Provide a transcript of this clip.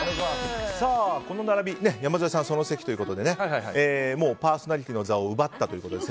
この並び、山添さんその席ということでもうパーソナリティーの座を奪ったということで。